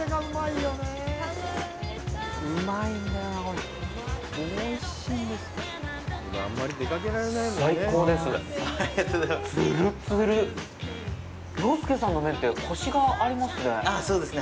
ようすけさんの麺って、コシがありますね。